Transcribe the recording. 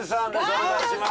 お願いします！